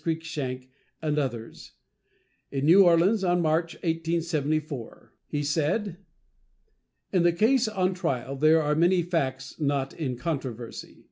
Cruikshank and others, in New Orleans in March, 1874. He said: In the case on trial there are many facts not in controversy.